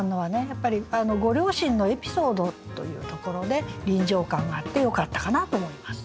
やっぱりご両親のエピソードというところで臨場感があってよかったかなと思います。